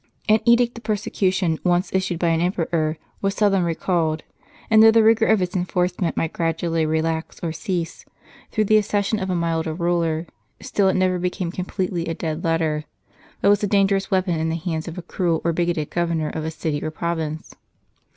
An edict of persecution once issued by an emperor was seldom recalled ; and though the rigor of its enforcement might gradually relax or cease, through the accession of a milder ruler, still it never became completely a dead letter, but was a dangerous weapon in the hands of a cruel or bigoted governor of a city or province.